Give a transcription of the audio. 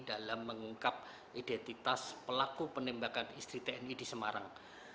dalam mengungkap identitas pelaku penembakan istri tni di semarang